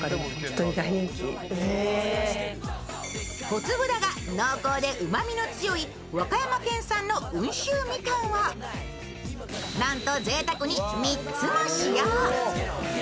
小粒だが濃厚でうまみの強い和歌山県産の温州みかんをなんと贅沢に３つも使用。